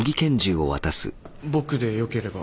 僕でよければ。